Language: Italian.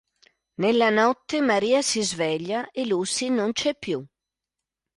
Nella notte, Maria si sveglia e Lucy non c'è più.